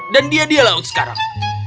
dan dia dia laut sekarang